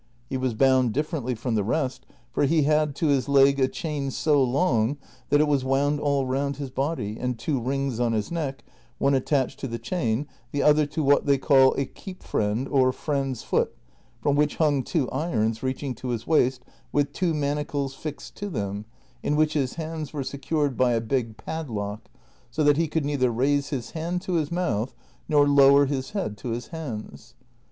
He was bound differently from the rest, for he had to his leg a chain so long that it was wound all round his body, and two rings on his neck, one attached to the chain, the other to what they call a " keep friend " or " friend's foot," from which hung two irons reaching to his waist with two manacles fixed to them in which his hands CHAPTER XXI L 163 were secured by a big padlock, so that lie could neither raise his hand to his mouth nor lower his head to his hands.